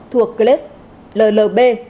thuộc gless llb